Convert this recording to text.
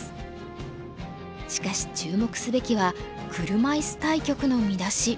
しかし注目すべきは「車イス対局」の見出し。